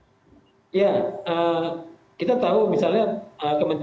ya kita tahu bahwa kita tahu bahwa terkena banjir di tempat tempat yang terkena banjir